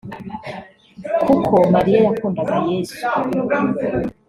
Kuko Mariya yakundaga Yesu